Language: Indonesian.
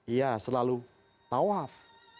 ia selalu tawaf